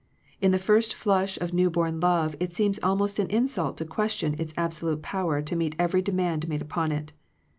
In the first flush of newborn love it seems almost an insult to question its absolute power to meet every demand made upon it.